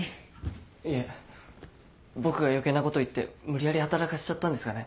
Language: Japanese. いえ僕が余計なこと言って無理やり働かせちゃったんですかね？